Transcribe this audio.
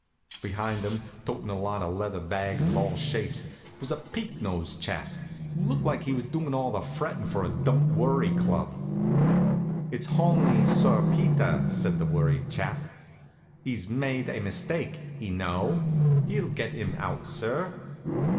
Behind 'em, totin' a lot of leather bags of all shapes, was a peaked nosed chap, who looked like he was doin' all the frettin' for a Don't Worry Club. "It's honly Sir Peter," says the worried chap. "'E's myde a mistyke, y' know. Hi'll get 'im out, sir."